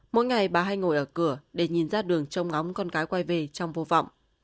mỗi ngày bà hay ngồi ở cửa để nhìn ra đường trông ngóng con cái quay về trong vô vọng